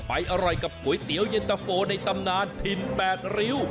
อร่อยกับก๋วยเตี๋ยวเย็นตะโฟในตำนานถิ่น๘ริ้ว